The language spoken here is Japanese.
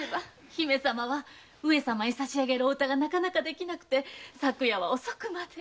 姫様は上様に差し上げるお歌がなかなかできなくて昨夜は遅くまで。